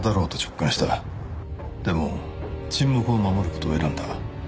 でも沈黙を守る事を選んだ。